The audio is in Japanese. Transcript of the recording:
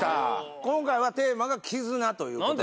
今回はテーマが「絆」ということで。